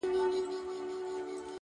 مثبت فکر د لارې خنډونه کمزوري کوي!.